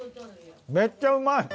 めっちゃうまい！